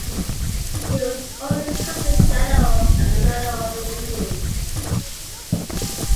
He was also Captain-General and Admiral of the Union.